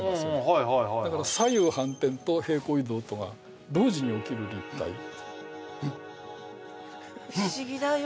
はいはいはいだから左右反転と平行移動とが同時に起きる立体不思議だよ